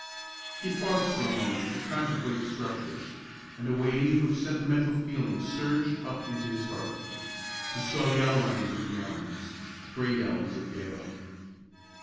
He paused for a moment to contemplate the structures, and a wave of sentimental feeling surged up into his heart. He saw the outlines of the elms the great elms of Yale.